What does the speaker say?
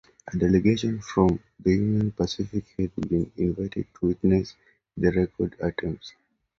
A delegation from the Union Pacific had been invited to witness the record attempts.